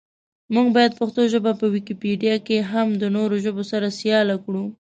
مونږ باید پښتو ژبه په ویکیپېډیا کې هم د نورو ژبو سره سیاله کړو.